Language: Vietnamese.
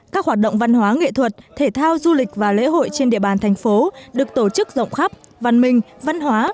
các hoạt động văn hóa nghệ thuật thể thao du lịch và lễ hội trên địa bàn thành phố được tổ chức rộng khắp văn minh văn hóa